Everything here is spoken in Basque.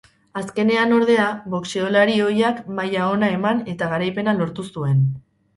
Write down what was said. Azkenean, ordea, boxeolari ohiak maila ona eman eta garaipena lortu zuen.